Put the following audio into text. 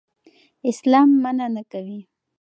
اسلام منع نه کوي.